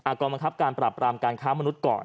กรมการมันทับการปรับรามการ้ำมนุษย์ก่อน